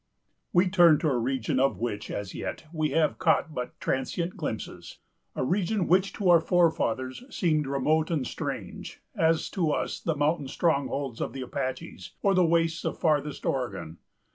We turn to a region of which, as yet, we have caught but transient glimpses; a region which to our forefathers seemed remote and strange, as to us the mountain strongholds of the Apaches, or the wastes of farthest Oregon.